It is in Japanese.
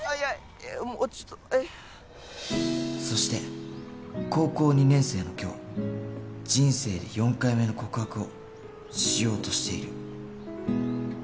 そして高校２年生の今日人生で４回目の告白をしようとしている